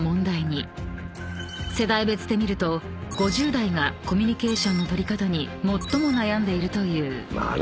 ［世代別で見ると５０代がコミュニケーションの取り方に最も悩んでいるという］